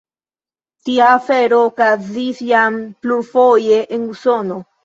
Tia afero okazis jam plurfoje en Usono.